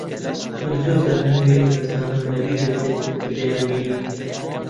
من زۆر جار ناوی ئەو کەسانەم لەبیر دەچێت کە دەیانبینم.